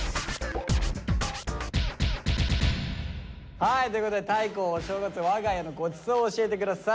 はいということで大光お正月の我が家のごちそう教えて下さい。